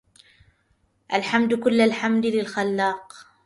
الحمد كل الحمد للخلاق